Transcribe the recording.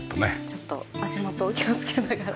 ちょっと足元を気をつけながら。